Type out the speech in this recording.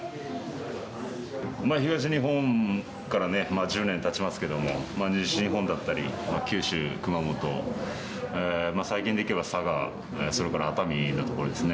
東日本からね、１０年たちますけれども、西日本だったり九州、熊本、最近でいけば佐賀、それから熱海の所ですね。